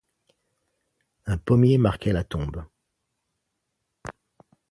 Un pommier marquait la tombe.